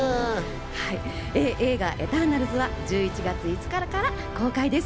映画『エターナルズ』は１１月５日から公開です。